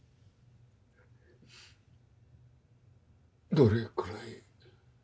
どれくらい。